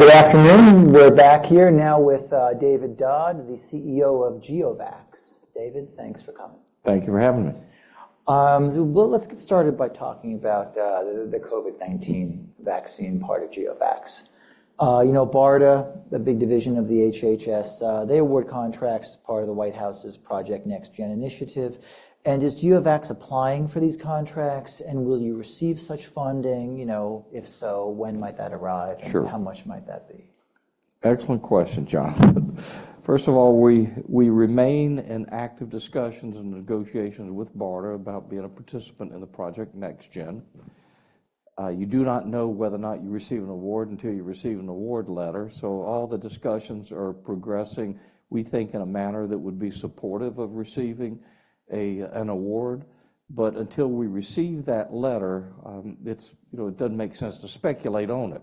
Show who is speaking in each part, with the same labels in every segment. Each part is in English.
Speaker 1: Good afternoon. We're back here now with David Dodd, the CEO of GeoVax. David, thanks for coming.
Speaker 2: Thank you for having me.
Speaker 1: Well, let's get started by talking about the COVID-19 vaccine part of GeoVax. You know, BARDA, the big division of the HHS, they award contracts as part of the White House's Project NextGen initiative. Is GeoVax applying for these contracts, and will you receive such funding? You know, if so, when might that arrive, and how much might that be?
Speaker 2: Sure. Excellent question, John. First of all, we remain in active discussions and negotiations with BARDA about being a participant in the Project NextGen. You do not know whether or not you receive an award until you receive an award letter. So all the discussions are progressing, we think, in a manner that would be supportive of receiving an award. But until we receive that letter, it's, you know, it doesn't make sense to speculate on it.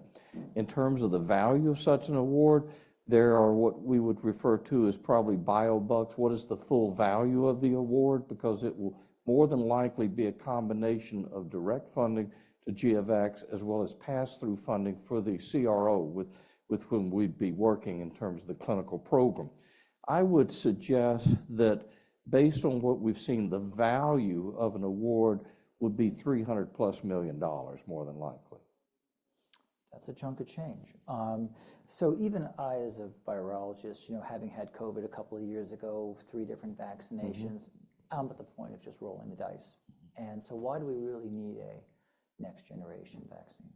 Speaker 2: In terms of the value of such an award, there are what we would refer to as probably biobucks. What is the full value of the award? Because it will more than likely be a combination of direct funding to GeoVax as well as pass-through funding for the CRO with whom we'd be working in terms of the clinical program. I would suggest that based on what we've seen, the value of an award would be $300+ million, more than likely.
Speaker 1: That's a chunk of change. So even I, as a virologist, you know, having had COVID a couple of years ago, 3 different vaccinations, I'm at the point of just rolling the dice. And so why do we really need a next-generation vaccine?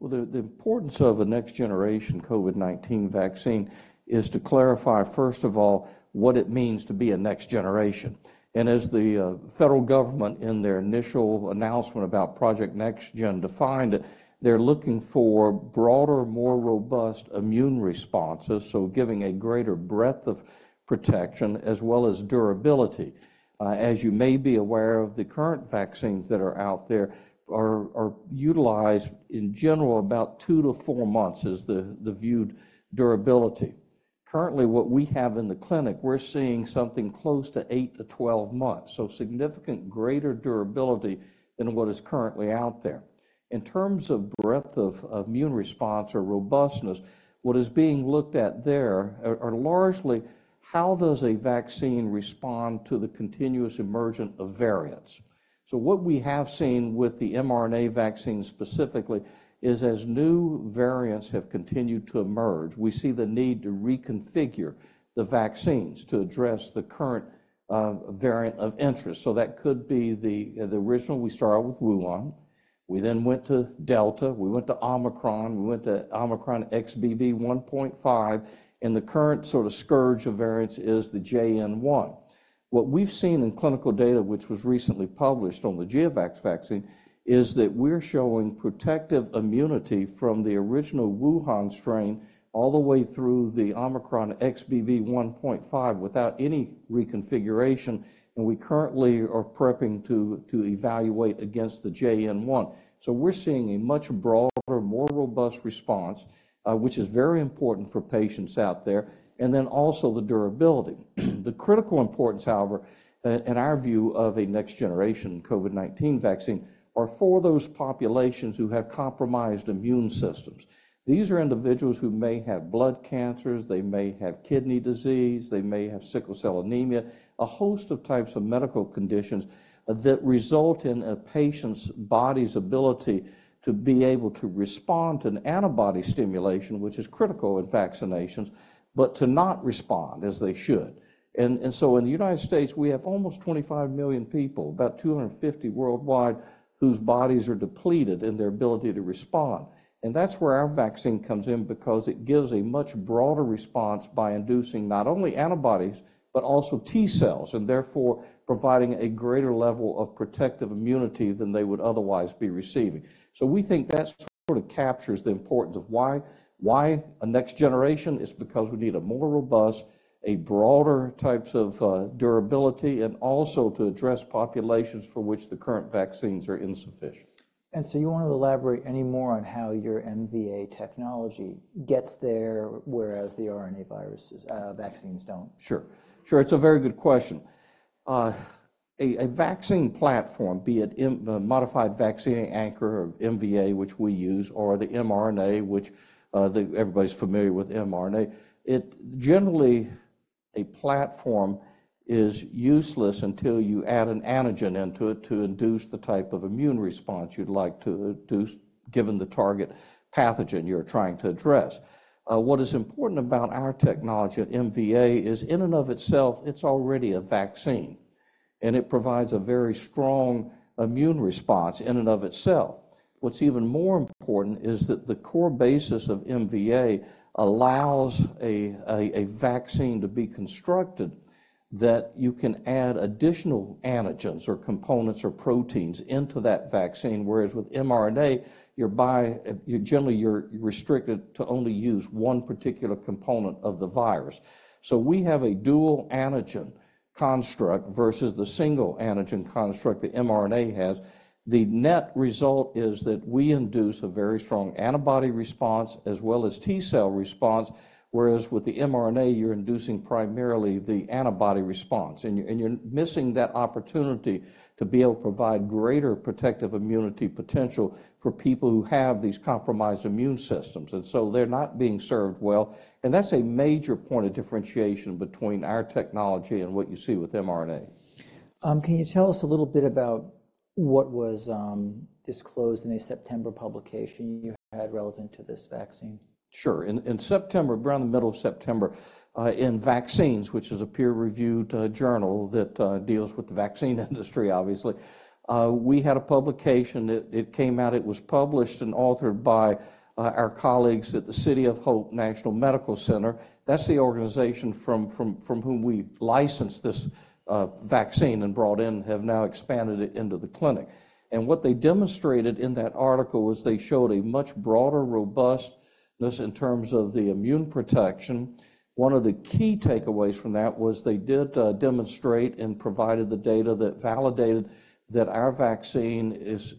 Speaker 2: Well, the importance of a next-generation COVID-19 vaccine is to clarify, first of all, what it means to be a next generation. And as the federal government in their initial announcement about Project NextGen defined it, they're looking for broader, more robust immune responses, so giving a greater breadth of protection as well as durability. As you may be aware of, the current vaccines that are out there are utilized in general about 2-4 months as the viewed durability. Currently, what we have in the clinic, we're seeing something close to 8-12 months, so significantly greater durability than what is currently out there. In terms of breadth of immune response or robustness, what is being looked at there are largely how does a vaccine respond to the continuous emergence of variants? So what we have seen with the mRNA vaccine specifically is as new variants have continued to emerge, we see the need to reconfigure the vaccines to address the current variant of interest. So that could be the original. We started with Wuhan. We then went to Delta. We went to Omicron. We went to Omicron XBB.1.5. And the current sort of scourge of variants is the JN.1. What we've seen in clinical data, which was recently published on the GeoVax vaccine, is that we're showing protective immunity from the original Wuhan strain all the way through the Omicron XBB.1.5 without any reconfiguration. And we currently are prepping to evaluate against the JN.1. So we're seeing a much broader, more robust response, which is very important for patients out there, and then also the durability. The critical importance, however, in our view of a next-generation COVID-19 vaccine are for those populations who have compromised immune systems. These are individuals who may have blood cancers. They may have kidney disease. They may have sickle cell anemia, a host of types of medical conditions that result in a patient's body's ability to be able to respond to an antibody stimulation, which is critical in vaccinations, but to not respond as they should. And so in the United States, we have almost 25 million people, about 250 million worldwide, whose bodies are depleted in their ability to respond. And that's where our vaccine comes in because it gives a much broader response by inducing not only antibodies but also T cells, and therefore providing a greater level of protective immunity than they would otherwise be receiving. We think that sort of captures the importance of why, why a next generation. It's because we need a more robust, a broader types of, durability, and also to address populations for which the current vaccines are insufficient.
Speaker 1: You want to elaborate any more on how your MVA technology gets there whereas the RNA viruses, vaccines don't?
Speaker 2: Sure. Sure. It's a very good question. A vaccine platform, be it Modified Vaccinia Ankara or MVA, which we use, or the mRNA, which everybody's familiar with mRNA, it generally a platform is useless until you add an antigen into it to induce the type of immune response you'd like to induce given the target pathogen you're trying to address. What is important about our technology, MVA, is in and of itself, it's already a vaccine. And it provides a very strong immune response in and of itself. What's even more important is that the core basis of MVA allows a vaccine to be constructed that you can add additional antigens or components or proteins into that vaccine. Whereas with mRNA, you're generally restricted to only use one particular component of the virus. So we have a dual antigen construct versus the single antigen construct the mRNA has. The net result is that we induce a very strong antibody response as well as T cell response. Whereas with the mRNA, you're inducing primarily the antibody response. And you're missing that opportunity to be able to provide greater protective immunity potential for people who have these compromised immune systems. And so they're not being served well. And that's a major point of differentiation between our technology and what you see with mRNA.
Speaker 1: Can you tell us a little bit about what was disclosed in a September publication you had relevant to this vaccine?
Speaker 2: Sure. In September, around the middle of September, in Vaccines, which is a peer-reviewed journal that deals with the vaccine industry, obviously, we had a publication. It came out. It was published and authored by our colleagues at the City of Hope National Medical Center. That's the organization from whom we licensed this vaccine and have now expanded it into the clinic. And what they demonstrated in that article was they showed a much broader robustness in terms of the immune protection. One of the key takeaways from that was they demonstrated and provided the data that validated that our vaccine is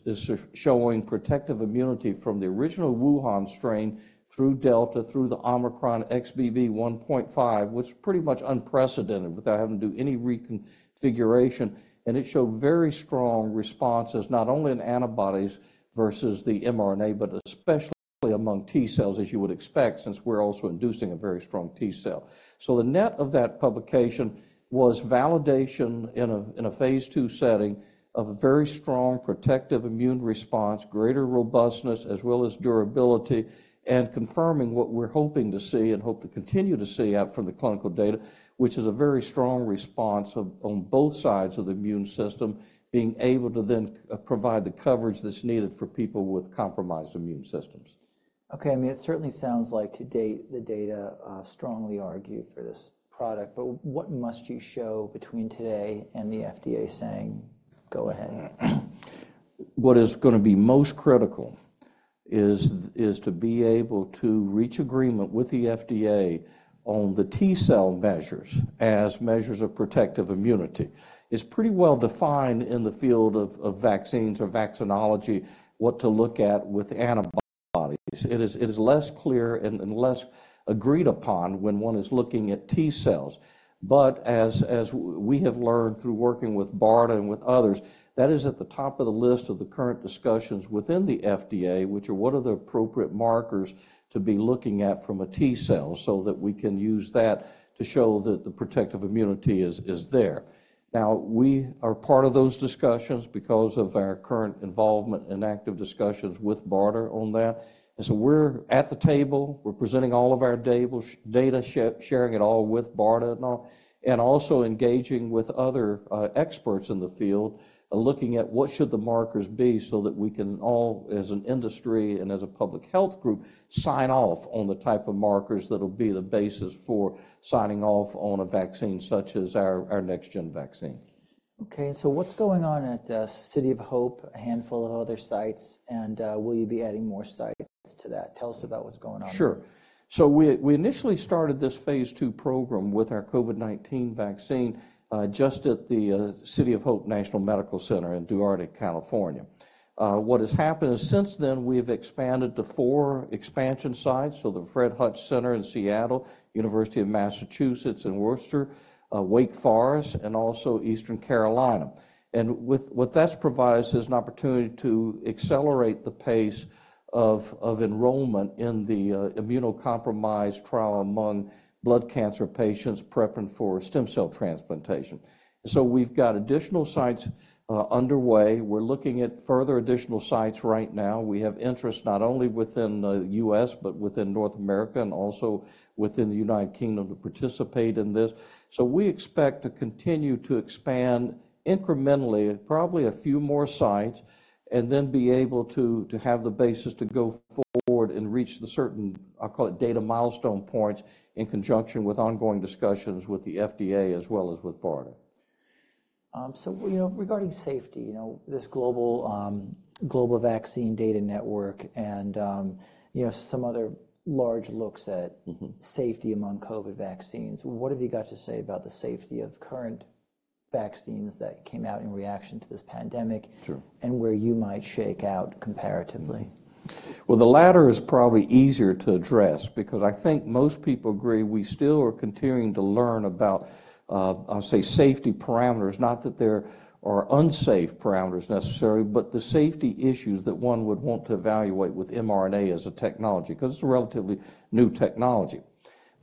Speaker 2: showing protective immunity from the original Wuhan strain through Delta, through the Omicron XBB.1.5, which is pretty much unprecedented without having to do any reconfiguration. It showed very strong responses, not only in antibodies versus the mRNA, but especially among T cells, as you would expect, since we're also inducing a very strong T cell. So the net of that publication was validation in a phase 2 setting of a very strong protective immune response, greater robustness as well as durability, and confirming what we're hoping to see and hope to continue to see out from the clinical data, which is a very strong response on both sides of the immune system, being able to then provide the coverage that's needed for people with compromised immune systems.
Speaker 1: Okay. I mean, it certainly sounds like today, the data strongly argue for this product. But what must you show between today and the FDA saying, "Go ahead?"?
Speaker 2: What is going to be most critical is to be able to reach agreement with the FDA on the T cell measures as measures of protective immunity. It's pretty well defined in the field of vaccines or vaccinology what to look at with antibodies. It is less clear and less agreed upon when one is looking at T cells. But as we have learned through working with BARDA and with others, that is at the top of the list of the current discussions within the FDA, which are what are the appropriate markers to be looking at from a T cell so that we can use that to show that the protective immunity is there. Now, we are part of those discussions because of our current involvement and active discussions with BARDA on that. And so we're at the table. We're presenting all of our tables, data, sharing it all with BARDA and all, and also engaging with other experts in the field, looking at what should the markers be so that we can all, as an industry and as a public health group, sign off on the type of markers that'll be the basis for signing off on a vaccine such as our next-gen vaccine.
Speaker 1: Okay. And so what's going on at City of Hope, a handful of other sites, and will you be adding more sites to that? Tell us about what's going on.
Speaker 2: Sure. So we initially started this phase two program with our COVID-19 vaccine, just at the City of Hope National Medical Center in Duarte, California. What has happened is since then, we've expanded to four expansion sites. So the Fred Hutch Center in Seattle, University of Massachusetts in Worcester, Wake Forest, and also Eastern Carolina. And with what that's provided us is an opportunity to accelerate the pace of enrollment in the immunocompromised trial among blood cancer patients prepping for stem cell transplantation. And so we've got additional sites underway. We're looking at further additional sites right now. We have interest not only within the U.S., but within North America and also within the United Kingdom to participate in this. So we expect to continue to expand incrementally, probably a few more sites, and then be able to have the basis to go forward and reach the certain, I'll call it, data milestone points in conjunction with ongoing discussions with the FDA as well as with BARDA.
Speaker 1: You know, regarding safety, you know, this global, Global Vaccine Data Network and, you know, some other large looks at safety among COVID vaccines, what have you got to say about the safety of current vaccines that came out in reaction to this pandemic and where you might shake out comparatively?
Speaker 2: Well, the latter is probably easier to address because I think most people agree we still are continuing to learn about, I'll say, safety parameters, not that there are unsafe parameters necessarily, but the safety issues that one would want to evaluate with mRNA as a technology because it's a relatively new technology.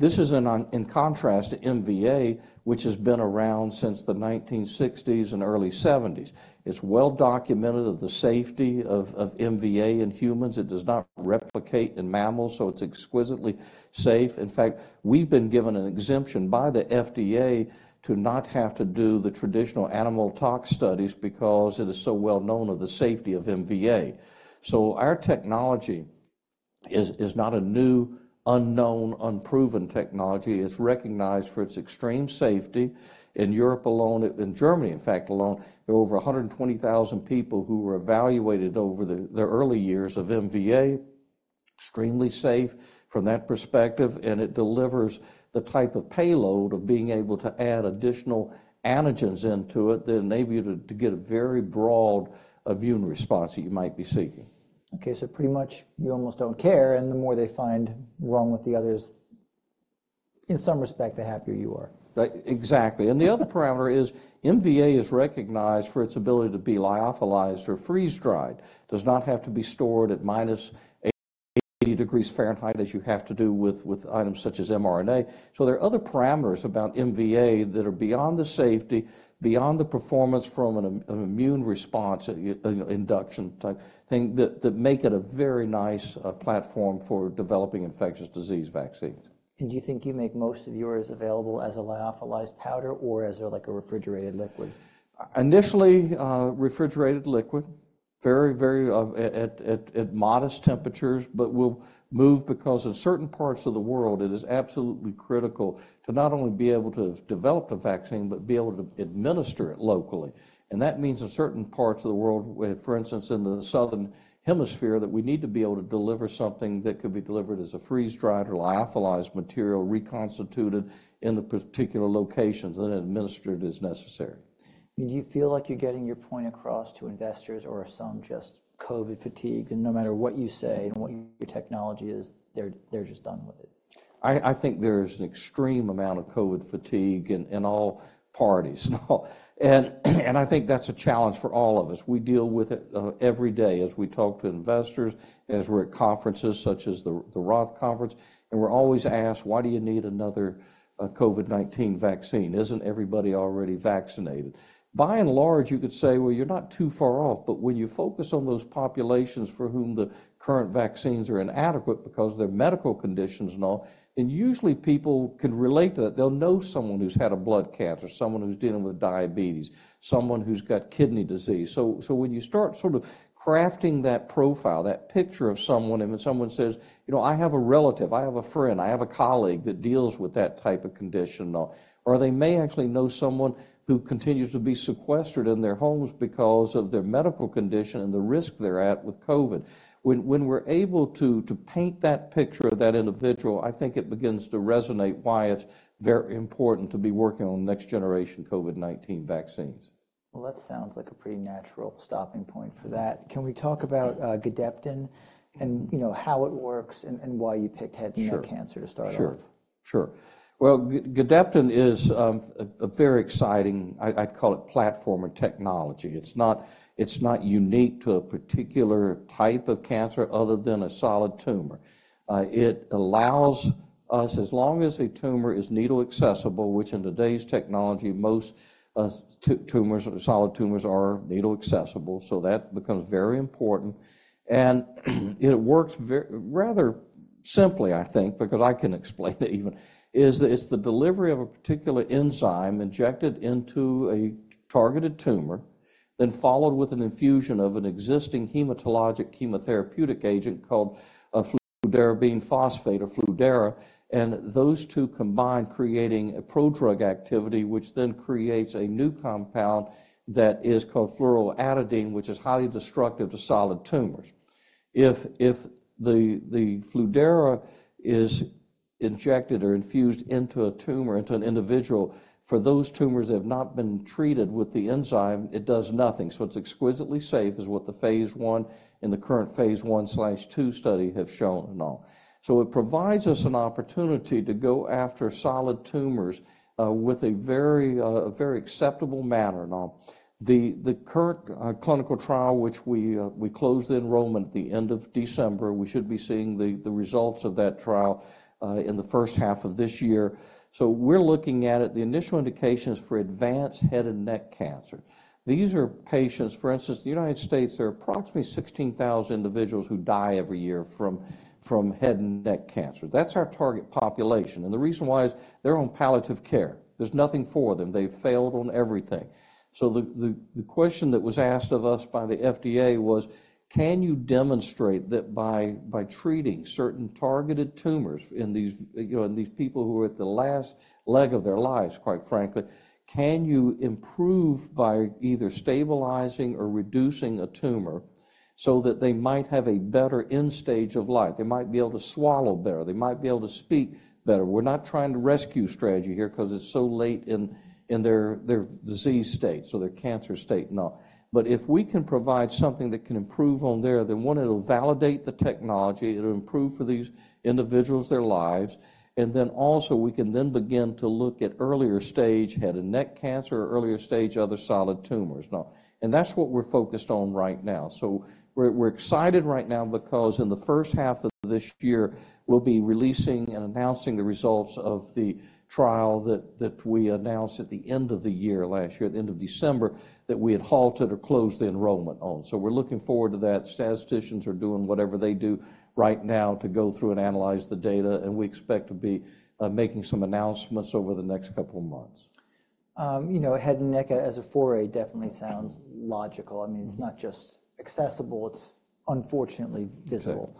Speaker 2: This is in contrast to MVA, which has been around since the 1960s and early 1970s. It's well documented of the safety of MVA in humans. It does not replicate in mammals, so it's exquisitely safe. In fact, we've been given an exemption by the FDA to not have to do the traditional animal tox studies because it is so well known of the safety of MVA. So our technology is not a new, unknown, unproven technology. It's recognized for its extreme safety. In Europe alone, in Germany, in fact, alone, there were over 120,000 people who were evaluated over the early years of MVA, extremely safe from that perspective. It delivers the type of payload of being able to add additional antigens into it that enable you to get a very broad immune response that you might be seeking.
Speaker 1: Okay. So pretty much you almost don't care. And the more they find wrong with the others, in some respect, the happier you are.
Speaker 2: Exactly. And the other parameter is MVA is recognized for its ability to be lyophilized or freeze-dried. It does not have to be stored at -80 degrees Fahrenheit as you have to do with, with items such as mRNA. So there are other parameters about MVA that are beyond the safety, beyond the performance from an immune response, you know, induction type thing that, that make it a very nice, platform for developing infectious disease vaccines.
Speaker 1: Do you think you make most of yours available as a lyophilized powder or as a, like, a refrigerated liquid?
Speaker 2: Initially, refrigerated liquid, very, very at modest temperatures, but we'll move because in certain parts of the world, it is absolutely critical to not only be able to have developed a vaccine, but be able to administer it locally. And that means in certain parts of the world, for instance, in the Southern Hemisphere, that we need to be able to deliver something that could be delivered as a freeze-dried or lyophilized material, reconstituted in the particular locations, and then administered as necessary.
Speaker 1: I mean, do you feel like you're getting your point across to investors or are some just COVID fatigued that no matter what you say and what your technology is, they're just done with it?
Speaker 2: I think there is an extreme amount of COVID fatigue in all parties. And I think that's a challenge for all of us. We deal with it every day as we talk to investors, as we're at conferences such as the ROTH Conference. And we're always asked, "Why do you need another COVID-19 vaccine? Isn't everybody already vaccinated?" By and large, you could say, "Well, you're not too far off." But when you focus on those populations for whom the current vaccines are inadequate because of their medical conditions and all, and usually people can relate to that, they'll know someone who's had a blood cancer, someone who's dealing with diabetes, someone who's got kidney disease. So when you start sort of crafting that profile, that picture of someone, and someone says, "You know, I have a relative. I have a friend. I have a colleague that deals with that type of condition," or they may actually know someone who continues to be sequestered in their homes because of their medical condition and the risk they're at with COVID. When we're able to paint that picture of that individual, I think it begins to resonate why it's very important to be working on next-generation COVID-19 vaccines.
Speaker 1: Well, that sounds like a pretty natural stopping point for that. Can we talk about Gedeptin and, you know, how it works and why you picked head and neck cancer to start off with?
Speaker 2: Sure. Sure. Well, Gedeptin is a very exciting. I'd call it platform or technology. It's not unique to a particular type of cancer other than a solid tumor. It allows us, as long as a tumor is needle accessible, which in today's technology, most solid tumors are needle accessible. So that becomes very important. And it works rather simply, I think, because I can explain it even, is that it's the delivery of a particular enzyme injected into a targeted tumor, then followed with an infusion of an existing hematologic chemotherapeutic agent called fludarabine phosphate or Fludara. And those two combine creating a prodrug activity, which then creates a new compound that is called 2-fluoroadenine, which is highly destructive to solid tumors. If the Fludara is injected or infused into a tumor, into an individual, for those tumors that have not been treated with the enzyme, it does nothing. So what's exquisitely safe is what the phase 1 and the current phase 1/2 study have shown and all. So it provides us an opportunity to go after solid tumors, with a very acceptable manner and all. The current clinical trial, which we closed the enrollment at the end of December, we should be seeing the results of that trial, in the first half of this year. So we're looking at it. The initial indications for advanced head and neck cancer, these are patients, for instance, in the United States, there are approximately 16,000 individuals who die every year from head and neck cancer. That's our target population. The reason why is they're on palliative care. There's nothing for them. They've failed on everything. So the question that was asked of us by the FDA was, "Can you demonstrate that by treating certain targeted tumors in these, you know, in these people who are at the last leg of their lives, quite frankly, can you improve by either stabilizing or reducing a tumor so that they might have a better end stage of life? They might be able to swallow better. They might be able to speak better." We're not trying to rescue strategy here because it's so late in their disease state, so their cancer state and all. But if we can provide something that can improve on there, then one, it'll validate the technology. It'll improve for these individuals their lives. Then also, we can then begin to look at earlier stage head and neck cancer or earlier stage other solid tumors and all. That's what we're focused on right now. We're, we're excited right now because in the first half of this year, we'll be releasing and announcing the results of the trial that, that we announced at the end of the year last year, at the end of December, that we had halted or closed the enrollment on. We're looking forward to that. Statisticians are doing whatever they do right now to go through and analyze the data. We expect to be, making some announcements over the next couple of months.
Speaker 1: You know, head and neck as a foray definitely sounds logical. I mean, it's not just accessible. It's unfortunately visible.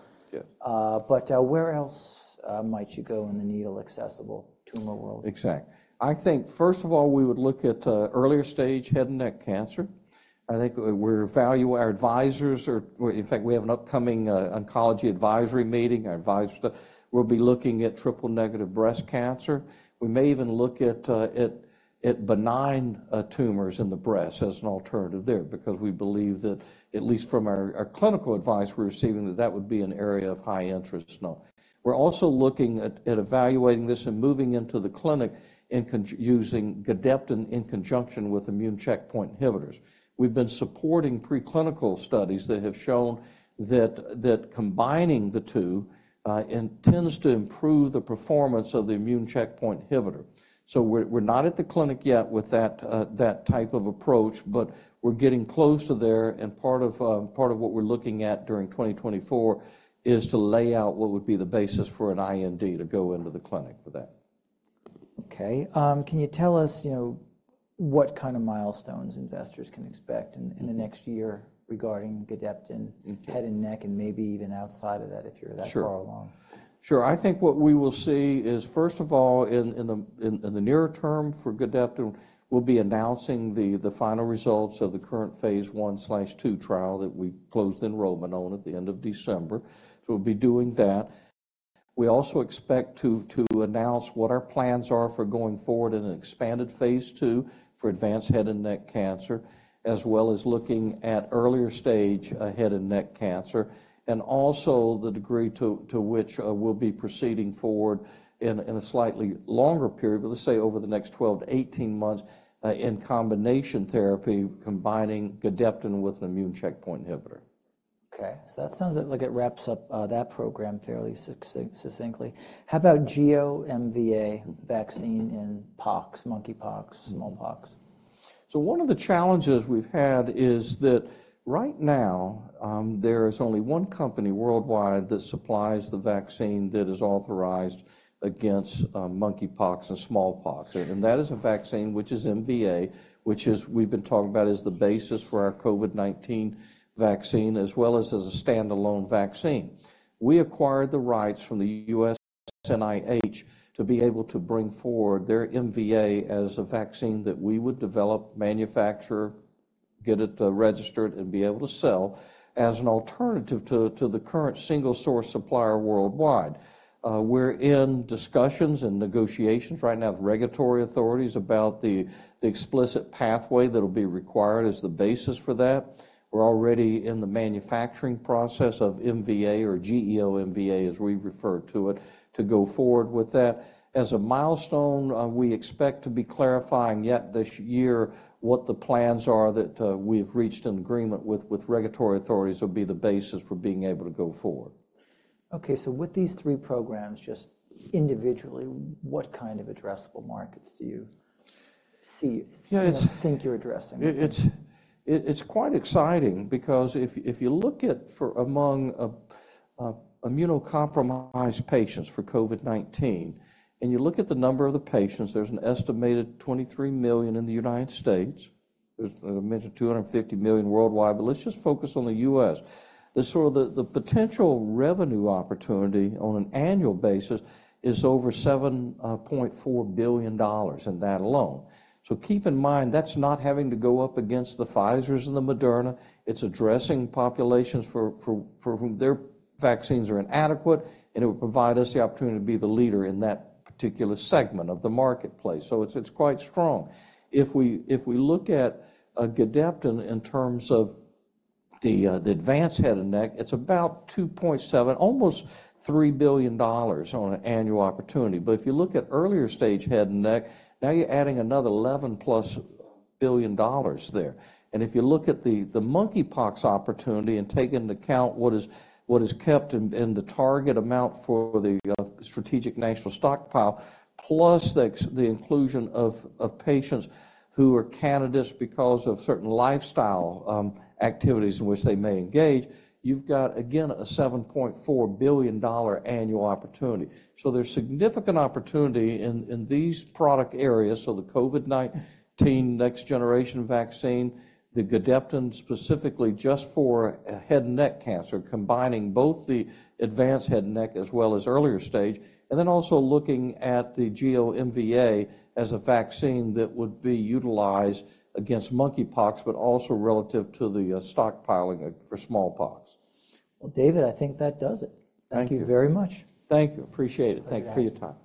Speaker 1: But where else might you go in the needle-accessible tumor world?
Speaker 2: Exactly. I think, first of all, we would look at earlier stage head and neck cancer. I think we value our advisors. In fact, we have an upcoming oncology advisory meeting. Our advisors will be looking at triple-negative breast cancer. We may even look at benign tumors in the breast as an alternative there because we believe that, at least from our clinical advice we're receiving, that would be an area of high interest and all. We're also looking at evaluating this and moving into the clinic and combining Gedeptin in conjunction with immune checkpoint inhibitors. We've been supporting preclinical studies that have shown that combining the two intends to improve the performance of the immune checkpoint inhibitor. So we're not at the clinic yet with that type of approach, but we're getting close to there. Part of what we're looking at during 2024 is to lay out what would be the basis for an IND to go into the clinic with that.
Speaker 1: Okay. Can you tell us, you know, what kind of milestones investors can expect in the next year regarding Gedeptin, head and neck, and maybe even outside of that if you're that far along?
Speaker 2: Sure. Sure. I think what we will see is, first of all, in the nearer term for Gedeptin, we'll be announcing the final results of the current Phase 1/2 trial that we closed the enrollment on at the end of December. So we'll be doing that. We also expect to announce what our plans are for going forward in an expanded Phase 2 for advanced head and neck cancer, as well as looking at earlier stage head and neck cancer and also the degree to which we'll be proceeding forward in a slightly longer period, but let's say over the next 12-18 months, in combination therapy, combining Gedeptin with an immune checkpoint inhibitor.
Speaker 1: Okay. So that sounds like it wraps up, that program fairly succinctly. How about GeoMVA vaccine in pox, monkeypox, smallpox?
Speaker 2: So one of the challenges we've had is that right now, there is only one company worldwide that supplies the vaccine that is authorized against monkeypox and smallpox. And that is a vaccine which is MVA, which is we've been talking about as the basis for our COVID-19 vaccine as well as a standalone vaccine. We acquired the rights from the U.S. NIH to be able to bring forward their MVA as a vaccine that we would develop, manufacture, get it registered, and be able to sell as an alternative to the current single source supplier worldwide. We're in discussions and negotiations right now with regulatory authorities about the explicit pathway that'll be required as the basis for that. We're already in the manufacturing process of MVA or GeoMVA, as we refer to it, to go forward with that. As a milestone, we expect to be clarifying yet this year what the plans are that we've reached an agreement with regulatory authorities will be the basis for being able to go forward.
Speaker 1: Okay. So with these three programs just individually, what kind of addressable markets do you see?
Speaker 2: Yeah, it's.
Speaker 1: You think you're addressing?
Speaker 2: It's quite exciting because if you look at immunocompromised patients for COVID-19, and you look at the number of patients, there's an estimated 23 million in the United States. There's an estimated 250 million worldwide, but let's just focus on the US. The potential revenue opportunity on an annual basis is over $7.4 billion in that alone. So keep in mind, that's not having to go up against the Pfizer and the Moderna. It's addressing populations for whom their vaccines are inadequate. And it would provide us the opportunity to be the leader in that particular segment of the marketplace. So it's quite strong. If we look at Gedeptin in terms of the advanced head and neck, it's about $2.7 billion, almost $3 billion on an annual opportunity. But if you look at earlier stage head and neck, now you're adding another $11+ billion there. And if you look at the monkeypox opportunity and take into account what is kept in the target amount for the Strategic National Stockpile, plus the inclusion of patients who are candidates because of certain lifestyle activities in which they may engage, you've got, again, a $7.4 billion annual opportunity. So there's significant opportunity in these product areas. So the COVID-19 next-generation vaccine, the Gedeptin specifically just for head and neck cancer, combining both the advanced head and neck as well as earlier stage, and then also looking at the GeoMVA as a vaccine that would be utilized against monkeypox, but also relative to the stockpiling for smallpox.
Speaker 1: Well, David, I think that does it. Thank you very much.
Speaker 2: Thank you. Appreciate it. Thank you for your time.